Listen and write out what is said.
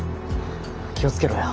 気を付けろよ。